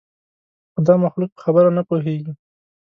خو دا مخلوق په خبره نه پوهېږي.